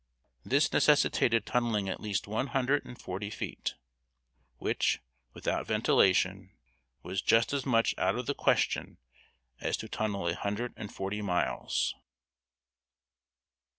This necessitated tunneling at least one hundred and forty feet, which, without ventilation, was just as much out of the question as to tunnel a hundred and forty miles.